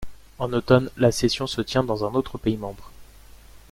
En automne la session se tient dans un des autres pays membres.